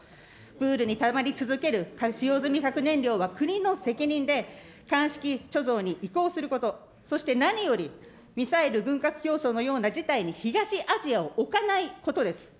プールにたまり続ける使用済み核燃料は国の責任でかんしき貯蔵に移行すること、そして何より、ミサイル軍拡競争のような事態に東アジアを置かないことです。